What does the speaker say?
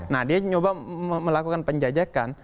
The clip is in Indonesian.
nah dia nyoba melakukan penjajakan